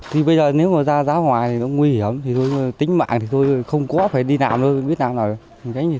thì bây giờ nếu mà ra giáo ngoài thì nó nguy hiểm tính mạng thì thôi không có phải đi nào nữa biết nào nào